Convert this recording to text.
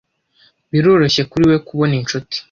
Biroroshye kuri we kubona inshuti.